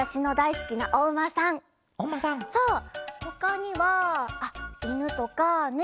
ほかにはあっいぬとかね